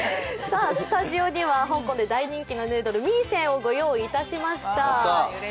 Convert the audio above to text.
スタジオには香港で大人気のヌードル、ミーシェンをご用意いたしました。